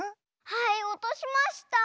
はいおとしました！